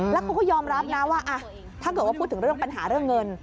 แล้วเขาก็ยอมรับนะว่าถ้าเกิดว่าพูดถึงเรื่องปัญหาเรื่องเงิน